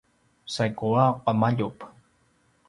saigu a qemaljup